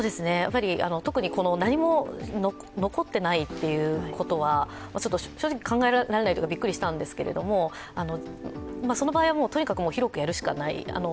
特に何も残っていないっていうことはちょっと正直考えられないというか、びっくりしたんですけど、その場合はとにかく広くやるしかない。